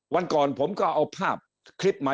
วันก่อนผมก็เอาภาพคลิปมา